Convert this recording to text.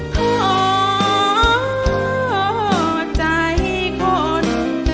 ขอใจคน